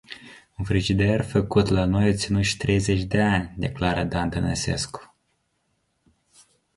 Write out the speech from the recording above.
Un frigider făcut la noi a ținut și treizeci de ani declară Dan Tănăsescu.